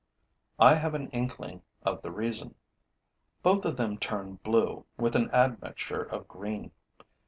I have an inkling of the reason. Both of them turn blue, with an admixture of green.